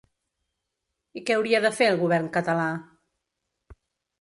I què hauria de fer el govern català?